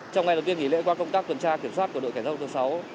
trong ngày đầu tiên nghỉ lễ qua công tác tuần tra kiểm soát của đội khả năng thứ sáu